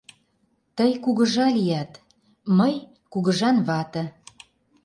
Тый Кугыжа лият, мый — Кугыжан вате!